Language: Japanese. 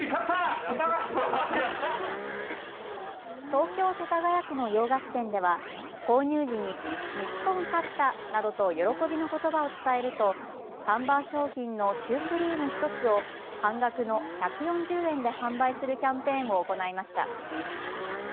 東京世田谷区の洋菓子店では購入時に日本勝ったなどと喜びのことばを伝えると看板商品のシュークリーム１つを半額の１４０円で販売するキャンペーンを行いました。